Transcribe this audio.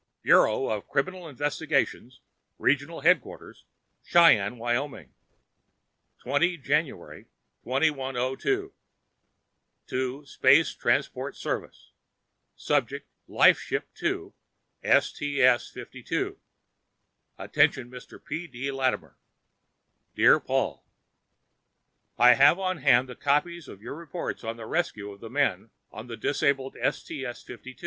Bureau of Criminal Investigation Regional Headquarters Cheyenne, Wyoming 20 January 2102 To: Space Transport Service Subject: Lifeship 2, STS 52 Attention Mr. P. D. Latimer Dear Paul, I have on hand the copies of your reports on the rescue of the men on the disabled STS 52.